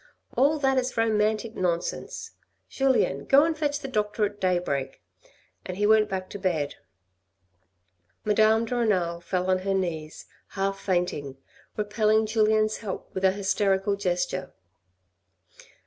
" All that is romantic nonsense ! Julien, go and fetch the doctor at daybreak," and he went back to bed. Madame de Renal fell on her THINKING PRODUCES SUFFERING 119 knees half fainting, repelling Julien's help with a hysterical gesture.